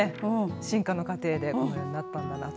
進化の過程でこのようになったんだなと。